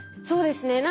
そうですね。